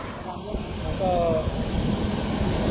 ดูเหมือนกับมีแต่ตอนกลางวันทำแล้วไม่มี